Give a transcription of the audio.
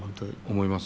思います